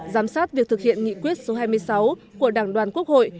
giám sát việc thực hiện nghị quyết số hai mươi sáu của đảng đoàn quốc hội